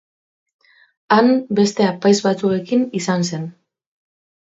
Han beste apaiz batzuekin izan zen.